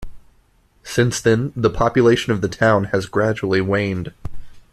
Since then, the population of the town has gradually waned.